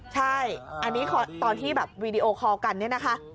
ใช่อันนี้ตอนที่แบบวีดีโอคอลกันเนี่ยนะคะ